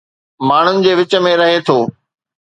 ماڻهن جي وچ ۾ رهي ٿو